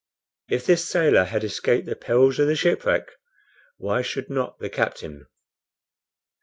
If this sailor had escaped the perils of the shipwreck, why should not the captain?